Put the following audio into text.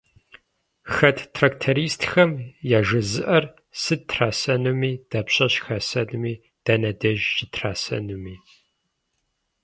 Хэт трактористхэм яжезыӏэр сыт трасэнуми, дапщэщ хасэнуми, дэнэ деж щытрасэнуми?